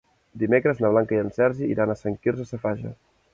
Dimecres na Blanca i en Sergi iran a Sant Quirze Safaja.